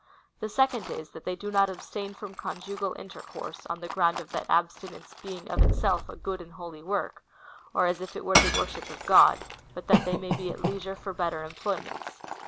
The second is, that they do not abstain from conjugal intercourse, on the ground of that abstinence being in itself a good and holy work, or as if it were the worship of God,^ but that they may be at leisure for better employments.